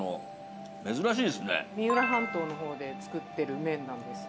三浦半島の方で作ってる麺なんですよ。